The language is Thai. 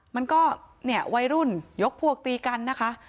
มันก็เนี่ยวัยรุ่นยกพวกตีกันนะคะ